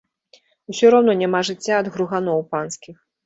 Усё роўна няма жыцця ад груганоў панскіх.